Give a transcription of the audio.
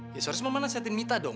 ya seharusnya mama nasihatin mita dong